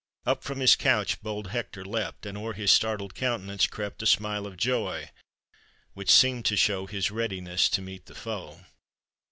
Up from his couch bold Hector leapt, And o'er his startled countenance crept A smile of joy, which seemed to show His readiness to meet the foe.